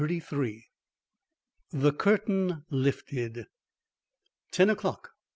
XXXIII THE CURTAIN LIFTED Ten o'clock!